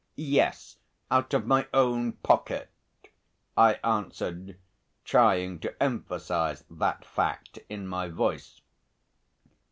"Yes, out of my own pocket," I answered, trying to emphasise that fact in my voice.